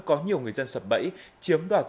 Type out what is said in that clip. có nhiều người dân sập bẫy chiếm đoạt